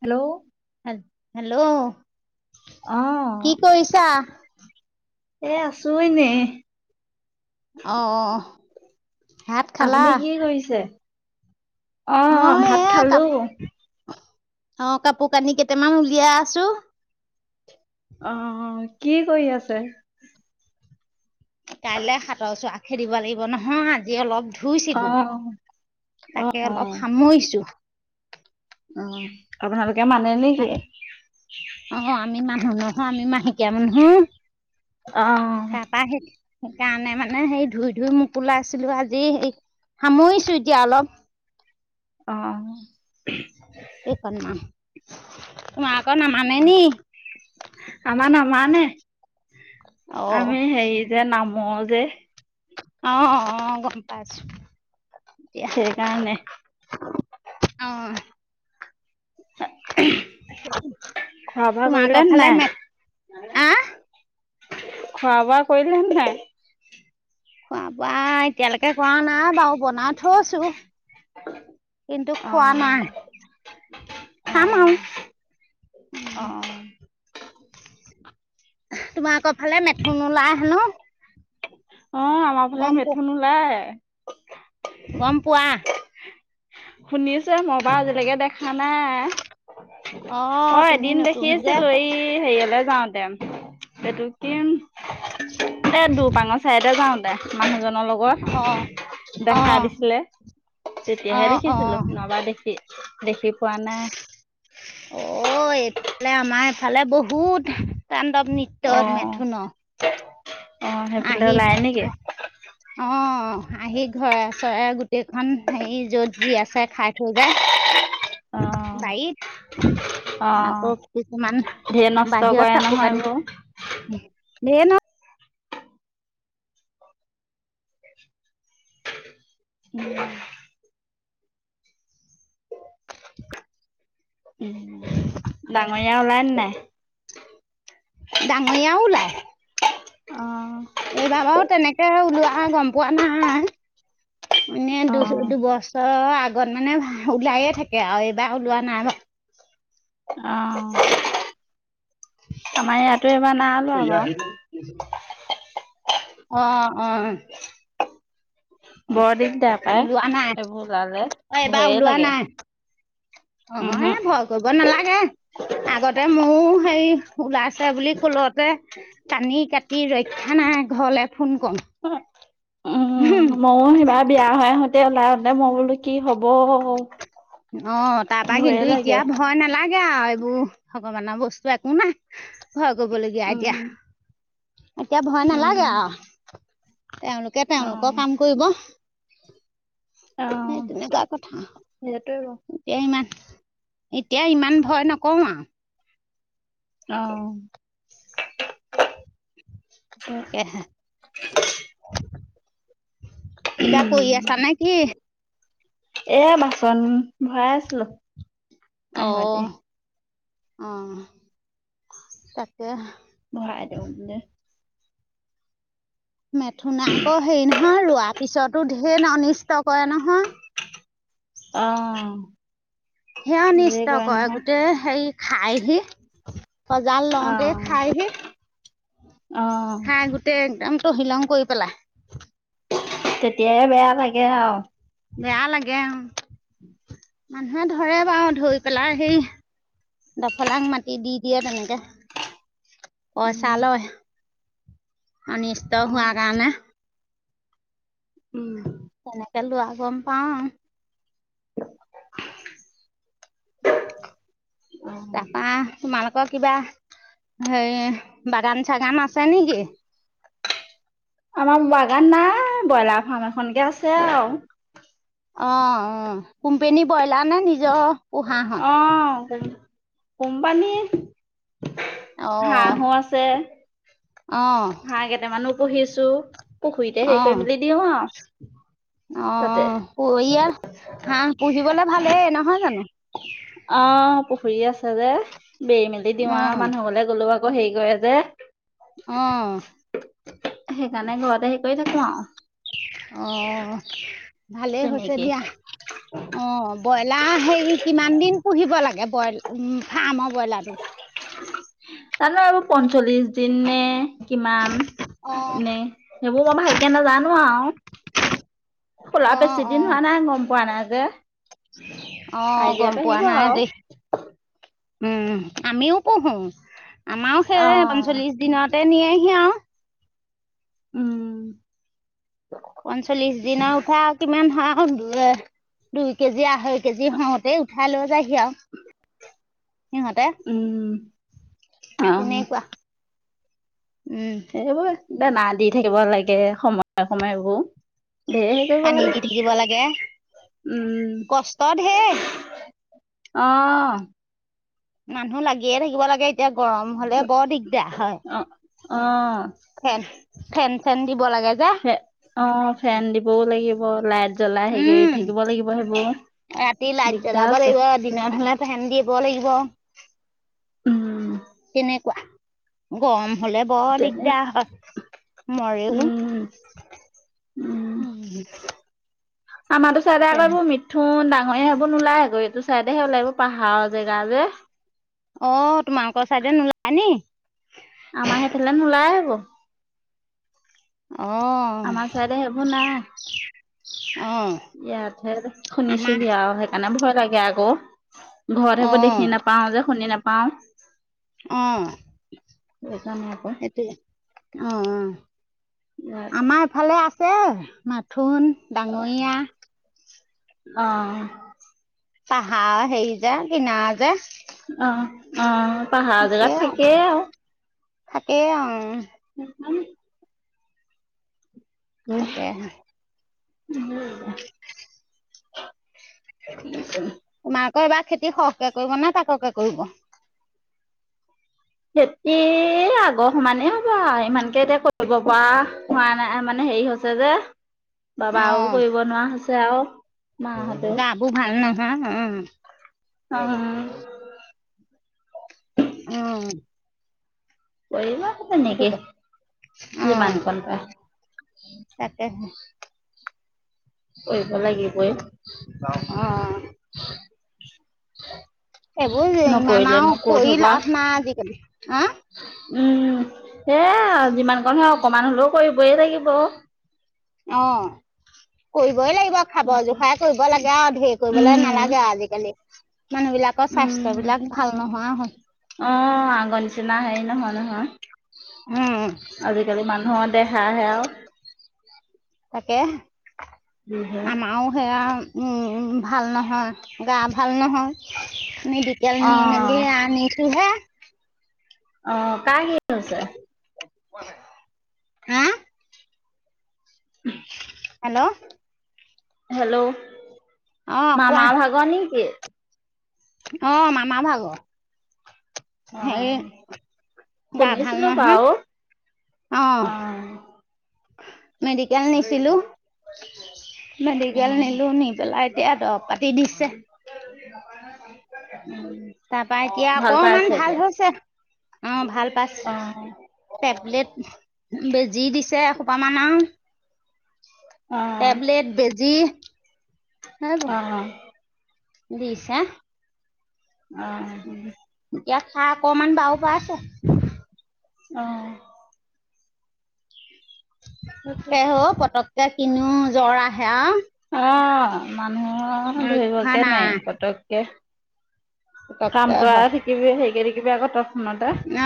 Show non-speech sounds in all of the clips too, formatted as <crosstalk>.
Hello. Hello অ কি কৰিছা? এ আছো এনে। অ অ ভাত খালা? আপুনি কি কৰিছে? অ' মই ভাত এয়া কাপ খালো। অ' কাপোৰ-কানি কেইটামান উলিয়াই আছো। অ' কি কৰি আছে? কাইলে সাতৰ চোৱা খেদিব লাগিব নহয়, আজি অলপ অ ধুইছিলো। অ তাকে অ অলপ সামৰিছো। অ' আপোনালোকে মানে নেকি? অ আমি মানুহ নহয় আমি মাহেকীয়া মানুহ অ'। তাৰপা সেই সেইকাৰণে মানে সেই ধুই-ধুই মোক ওলাইছিলো আজি এই সামৰিছো এতিয়া অলপ। অ'। কেইখনমান তোমাৰ আকৌ নামানে নি? আমাৰ নামানে। অ আমি হেৰি যে নামো যে অ'-অ'-অ' গম পাইছো। এতিয়া সেইকাৰণে খোৱা বোৱা কৰিলে তোমালোকৰ নে ফালে নাই? মে, আহ? খোৱা-বোৱা কৰিলিনে নাই? খোৱা-বোৱা এতিয়ালৈকে কৰা নাই বাৰু। বনাই থৈছোঁ। কিন্তু অ খোৱা নাই। অ খাম আৰু। অ'। তোমালোকৰ ফালে মেথুন ওলাই হেনো? অ' আমাৰ ফালে গম প মেথুন ওলায়। গম পোৱা? শুনিছোঁ হে, মই বাৰু আজিলৈকে দেখা নাই। অ' তুমি এদিন নতুন যে দেখিছিলো। এই হেৰিয়লে যাওতে। এইটো কি, এ দুপাঙত চাইতে যাওঁতে, মানুহজনৰ লগৰ অ অ দেখা দিছিলে। অ তেতিয়াহে অ দেখিছিলো। নবা দেখি। দেখি পোৱা নাই অ' এইফালে আমাৰ এইফালে বহুত তাণ্ডৱ নৃত্য অ মেথুনৰ। অ সেইফালে আহি, ওলাই নেকি অ' আহি ঘৰে-চৰে গোট গোটেইখন হেৰি য'ত যি আছে খাই থৈ যায়। অ অ বাৰীত। আকৌ কিছুমান ধেৰ নষ্ট কৰে বাহিৰত নহয় কাপোৰ-কানি এইবোৰ <unintelligible> উম । ডাঙৰীয়া ওলাই নে নাই? ডাঙৰীয়াও ওলায়। অ এইবাৰ বাৰু তেনেকে ওলোৱা গম পোৱা নাই। এনেইয়ে অ দু-দুবছৰৰ আগত মানে ওলায়েই থাকে আৰু এই এইবাৰ ওলোৱা নাই বাও। <inaudible> আমাৰ ইয়াতো এইবাৰ নাই ওলোৱা বাও। অঁ-অঁ! বৰদিকদাৰ পায় ওলোৱা নাই এইবোৰ ওলালে, ভয়েই লাগে। অঁ-অঁ এই উমহু ভয় কৰিব নালাগে, আগতে মোৰও হেই ওলাইছে বুলি কলতে কান্দি-কাটি ৰক্ষা নাই, ঘৰলে ফোন কৰোঁং। উম মইয়ো সিবা বিয়া হয় আহোঁতে ওলাওতে মই বোলো কি হব? অঁ তাৰ পৰা ভয়ে কিন্তু এতিয়া লাগে। ভয় নালাগ গে আওঁ এইবোৰ ভগৱানৰ বস্তু, একো নাই ভয় কৰিবলগীয়া এতিয়া। উম, এতিয়া ভয় নালাগে উম, আৰু তেওঁলোকে-তেওঁলোকৰ অ', কাম কৰিব। সেই অ', তেনেকুৱা কথা <unintelligible> সেইটোৱে বাৰু মান এতিয়া ইমান ভয় নকওঁ আৰু। আহ! <inaudible> এহ <inaudible> কিবা কৰি আছা নে কি? এ বাচন ভৰাই আছিলো কাঁহী বাতি অঁ তাকে ভৰাই দিওঁ বুলি মেথুনা আকৌ হেৰি নহয় ৰোৱা পিছতো ধেৰ অনিষ্ট কৰে নহয় আহঁ। সেয়া নিষ্ট কৰে গোটেই হেৰি খাই সি সজাল লওঁতে অ', খাইহি অ', খাই গোটেই একদম টো তহীলং কৰি পেলাই। তেতিয়াইে বেয়া লাগে আৰু বেয়া লাগে উম। মানুহে ধৰে বাৰু ধৰি পেলাই হে। ডফলাং মাটি দি দিয়ে তেনেকে ক উম, চা লয় অনিষ্ট হোৱা অ', কাৰনে। উম। তেনেক লোৱা গম পাওঁ। অ', তাৰপা তোমালোকৰ কিবা হেই বাগান চাগান আছে নেকি? আমাৰ বাগান নাই ব্ৰইলাৰ ফাৰ্ম এখনকে আছে। আৰু অঁ অঁ কোম্পনী ব্ৰইলাৰ নে নিজৰ পোহাহত কোম্পানীৰ, অ হাঁহওঁ আছে অ । হাঁহ কেইটামানো পুহিছো পুখুৰীতে হেই কৰি মেলি দিওঁ আৰু। তাতে অঁ ই হা পুহিবলে ভালেই নহয় জানো অঁ পুখুৰী আছে যে বেৰি মেলি অ দিওঁ আৰু মানুহ গলে গ'লো আ আকৌ হেৰি কৰে যে আহঁ সেইকাৰণে ঘৰতে হে কৰি থাকো আওঃ অঁ। ভালেই হৈছে তেনেকে দিয়া। অঁ ব্ৰইলাটো হেৰি কিমান দিন পুহিব লাগে। বইল উ ফ্ৰামৰ বইলাৰো। জানো আৰু পঞ্চল্লিশ দিন নে কিমান অ নে। সেইবোৰ মই ভালকে নাজানো আৰু খোলা অ বেছি দিন হোৱা নাই গম পোৱা নাই। যে আহ গম আইডিয়াটো পোৱা আহিব নাই আৰু দেই। উম আমিও পুহো আমাৰওঁ অ সেইয় পঞ্চল্লিশ দিনতে নিয়েই নিয়ে আওঁ উম। পঞ্চল্লিশ দিনা উঠা কিমান হাঁহ। দুই কেজি আঢ়ৈ কেজি হওঁতেই উঠাই লৈ যায়হি আৰু সিহঁতে উম অ তেনেকুৱা, উম এইবোৰ দানা দি থাকিব লাগে সময়ে সময়বোৰ ঢেৰ হে কৰিব পানী লাগে দি থাকিব লাগে উম কষ্ট ঢেৰ আহ মানুহ লাগিয়ে থাকিব লাগে এতিয়া গৰম হলে বৰ দিগদাৰ হয় অ অ ফেন ফেন চেন দিব লাগে যে অ ফেন দিবও লাগিব লাইট, জ্বলাই হেৰি কৰি উম থাকিব লাগিব সেইবোৰ ৰাতি লাইত দিগদাৰ জ্বলাব আছে লাগিব দিনত হলে ফেন দিব লাগিব, উম কেনেকুৱা গৰম, হলে বৰ তেনে দিগদাৰ হয় মৰেও উম আমাৰো চাদোৰ মিথুন দাঙ নহয় সেইবোৰ নোলাই আকৌ এইটো চাইডেহে ওলাইছে পাহাৰৰ জেগা যে অ তোমালোকৰ ছাই দে নোলায় নি? আমাৰ সেইফালে নোলাই সেইবোৰ অ', আমাৰ চাইদে সেই বোৰ নাই অ', ইয়াতহে আমাৰ শুনিছোহিয়াও আৰু সেইকাৰণে, ভয় লাগে আকৌ ঘৰত সেইবোৰ অ', দেখি নাপাও যে শুনি নাপাও, অহ সেইকাৰণে আকৌ এইটোয়ে অ অ ইয়াত আমাৰ এফালে আছে মাথোন ডাঙৰীয়া অ পাহাৰ সেই যে কিনা যে অ অ পাহাৰ জেগাত থাকেই আৰু থাকেই অ উম উম তাকে <unintelligible> আকৌ এবা খেতি সহকে কৰিব নে তাককে কৰিব? খেতি আগৰ সমানেই হ'ব আৰু ইমানকে এতিয়া কৰিব পৰা হোৱা নাই মানে, হেৰি হৈছে যে বাবা কৰিব নোৱাৰা হৈছে আৰু মাহঁতেও গাবো ভাল নহয় উম অ আহ কৰিব ক তেনেকে কথা অ', যিমান কন পায় তাকেহে কৰিব লাগিবই অ', এইবোৰ যে ইমান আৰু নকৰিলেনো ক'ত কৰি হ'ব আৰু। লাভ নাই আজিকালি হা উম সেযাই‌ আৰু যিমান কম সেই অকমান হলেও কৰিবয়েই লাগিব । আহ কৰিবই লাগিব খাব জোখাই কৰিব লাগে আৰু ধেৰ কৰিবলৈ উম, নালাগে আৰু আজি কালি মানুহ বিলাকৰ উম। স্বাস্থ্য বিলাক ভাল নোহোৱা হয় অ', আগৰ নিচিনা হেৰি‌ নহয় মানুহৰ উম আজিকালি মানুহৰ দে হা হে আৰু তাকে যিহে আমাৰও সেয়া উম ভাল নহয় গা ভাল নহয় আমি বিতিয়াল নি মেলি অ', আনিছো হে অ', কাৰ কি হৈছে? হা হেল্ল' হেল্ল' অ কোৱা মামা ভাগৰ নেকি? অ মামা ভাগৰ হেৰি গা ভাল শুনিছিলো নহয় বাও অ মেডিকেল নিছিলো মেডিকেল অ', নিলো নি পেলাই এতিয়াতো পাতি দিছে, উম, তাৰপা এতিয়া ভাল পাই অকমান আছে ভাল এতিয়া? হৈছে অ ভাল পাইছে অ', টেবলেট বেজি দিছে। মান অ', টেবলেট বেজি অ দিছে অ ইয়াত খা অকমান বাবও পাইছে। অ তাকে। সেইহ পতককে কিনো জ্বৰ আহে। মানুহ ৰক্ষা ধৰিবকে নাই নোৱাৰি পতককে। কাম পতককে কৰা থাকিবি সেইকাৰ থাকিবি আকৌ তাত।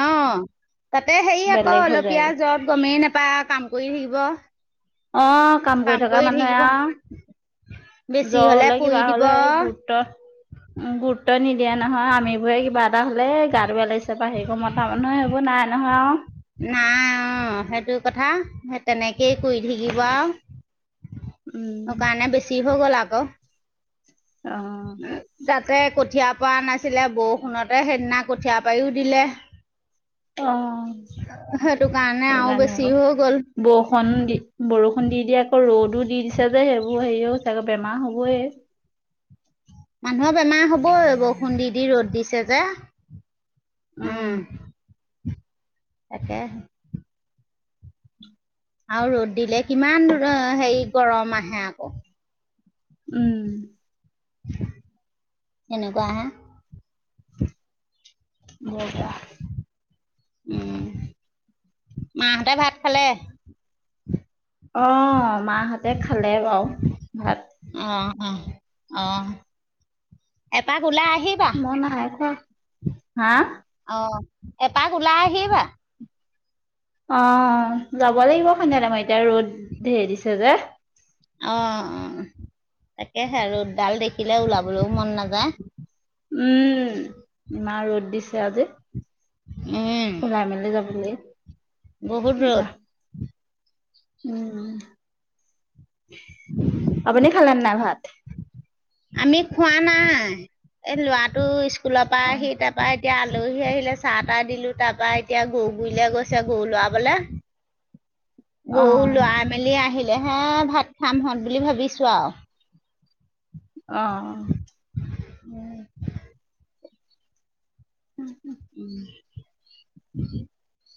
অ তাতে হেৰি আকৌ বেলেগ হৈ অলপীয়া যায়গে জ্বৰত গমেই নেপায় কাম কৰি থাকিব। অ কাম কৰি থকা মানুহে আৰু বেছি জ্বৰ হলে পৰি কিবা দিব হ'লে গুৰুত্ব উ গুৰুত্ব নিদিয়া নহয় আমিবোৰে টা হলে গাটো বেয়া লাগিছে বা সেই কৰোঁ মতা মানুহে সেইবোৰ নাই নহয় আৰু নাই অ সেইটো কথা সেই তেনেকে সেই কৰি থাকিব আৰু উম সেইটো কাৰণে বেছি হৈ গ'ল আকৌ অ তাতে কঠিয়া পৰা নাছিল। আছিলে বৰষুণতে সেইদিনা কঠিয়া পাৰিও দিলে। অ সেইটো কাৰণে আৰু সেইকাৰণে বেছি আক হৈ গ'ল বৰষুণ দি বৰষুণ দি দিয়ে আকৌ ৰ'দো দি দিছে যে সেইবোৰ হেৰি হৈছে আকৌ বেমাৰ হ'বই মানুহৰ বেমাৰ হ'বই বৰষুণ দি দি ৰ'দ দিছে যে। উম তাকে আৰু ৰ'দ দিলে কিমান হেৰি গৰম আহে আকৌ উম এনেকুৱা আ বৰ বেয়া উম মাহঁতে ভাত খালে অ মাহঁতে খালে বাও ভাত অ অ অ এপাক ওলাই আহিবা মই নাই খোৱা হা অ এপাক ওলাই আহিবা। অ যাব লাগিব সন্ধিয়া টাইমত এতিয়া ৰ'দ ধেৰ দিছে যে। অ অ তাকেহে আৰু ডাল দেখিলে ওলাবলৈও মন নাযায়। উম ইমান ৰ'দ দিছে আজি। উম উলাই মেলে যাবলৈ বহুত ৰ'দ যা। উম আপুনি খালে নে ভাত। আমি খোৱা নাই এই ল'ৰাটো স্কুলৰ অ পৰা সি তাৰ পৰা। এতিয়া আলহী আহিলে চাহ তাহ দিলো তাৰ পৰাা এতিয়া গৰু গুৰিলে গৈছে গৰু লৰাবলে। অ গৰু লৰা মেলি আহিলো। হে ভাত খাম হত বুলি ভাবিছো আৰু অ <inaudible> <inaudible> <inaudible>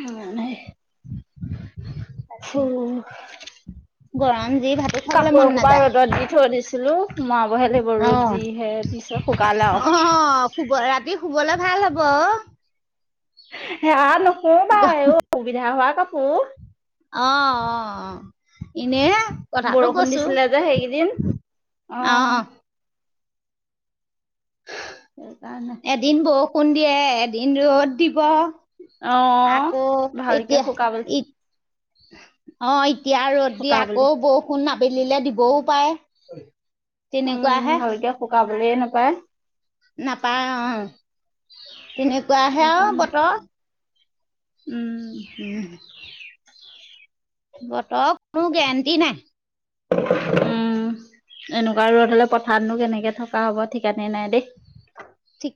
উম হোম গৰম যি ভাতো খাবলৈ কাপোৰ মন এসোপা নাযায় ৰ'দত দি থৈ দিছিলো সুমুৱাবহে লাগিব অ ৰ'দ যি হে। পিছত শুকালে অ শুব আৰু ৰাতি শুবলৈ ভাল হ'ব হেয়া নুশোমাই অ এই অসুবিধা হোৱা কাপোৰ। অ অ এনেহে কথাটো বৰষুণ কৈছো দিছিলে যে সেইকেইদিন অ অ সেইকাৰণে এদিন বৰষুণ দিয়ে এদিন ৰ'দ দিব অ আকৌ ভালকে এতিয়া শুকাবলে ই অ এতিয়া ৰ' দ দি আকৌ শুকাবলে বৰষুণ আবেলিলে দিব। বৌ পায় তেনেকুৱা হে আহৰিয়ে নাপাই। নাপায় অ তেনেকুৱাহে আৰু সেইকাৰণে বতৰ উম উম বতৰ কোনো গেৰেণ্টি নাই। উম এনেকুৱা ৰদ হলে পথাতনো কেনেকে থকা হ'ব ঠিকানা নাই দেই। ঠিক